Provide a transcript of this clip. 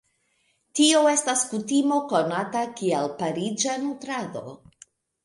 Tio estas kutimo konata kiel "pariĝa nutrado".